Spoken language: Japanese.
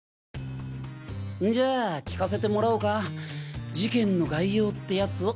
んじゃあ聞かせてもらおうか事件の概要ってヤツを。